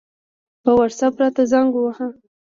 په وټساپ راته زنګ ووهه